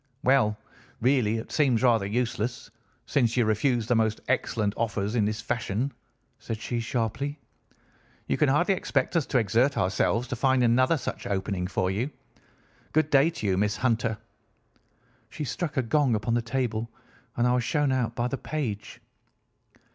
"'Well, really, it seems rather useless, since you refuse the most excellent offers in this fashion,' said she sharply. 'You can hardly expect us to exert ourselves to find another such opening for you. Good day to you, Miss Hunter.' She struck a gong upon the table, and I was shown out by the page.